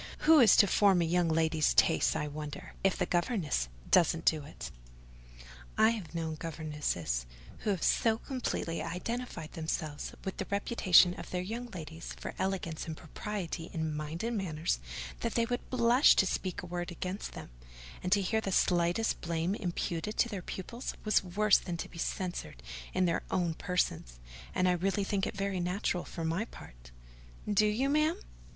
Who is to form a young lady's tastes, I wonder, if the governess doesn't do it? I have known governesses who have so completely identified themselves with the reputation of their young ladies for elegance and propriety in mind and manners, that they would blush to speak a word against them; and to hear the slightest blame imputed to their pupils was worse than to be censured in their own persons—and I really think it very natural, for my part." "Do you, ma'am?"